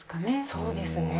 そうですね。